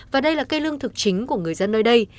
và đây là cây lương thực chính của người dân nơi đây